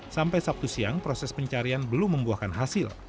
sampai sabtu siang proses pencarian belum membuahkan hasil